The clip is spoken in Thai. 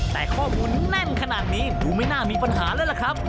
แต่ข้อมูลแน่นขนาดนี้ดูไม่น่ามีปัญหาแล้วล่ะครับ